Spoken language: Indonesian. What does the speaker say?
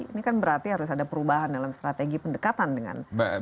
ini kan berarti harus ada perubahan dalam strategi pendekatan dengan